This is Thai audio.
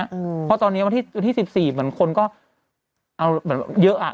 เพราะตอนนี้วันที่๑๔เหมือนคนก็เยอะ